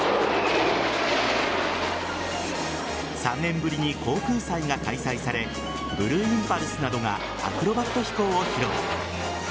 ３年ぶりに航空祭が開催されブルーインパルスなどがアクロバット飛行を披露。